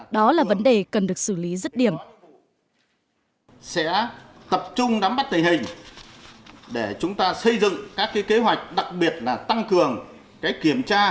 đó là vấn đề cần được xử lý rứt điểm